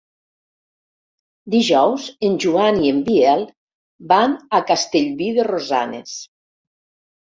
Dijous en Joan i en Biel van a Castellví de Rosanes.